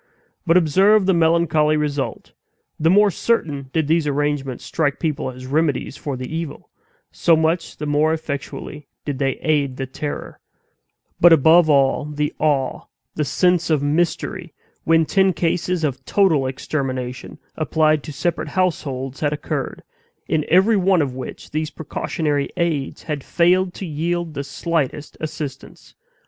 But observe the melancholy result: the more certain did these arrangements strike people as remedies for the evil, so much the more effectually did they aid the terror, but, above all, the awe, the sense of mystery, when ten cases of total extermination, applied to separate households, had occurred, in every one of which these precautionary aids had failed to yield the slightest assistance.